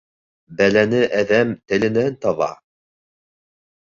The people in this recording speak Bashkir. Бәләне әҙәм теленән таба